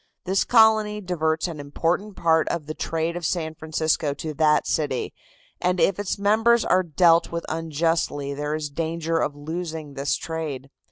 This colony diverts an important part of the trade of San Francisco to that city, and if its members are dealt with unjustly there is danger of losing this trade.